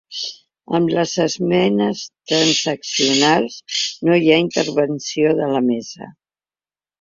En les esmenes transaccionals no hi ha intervenció de la mesa.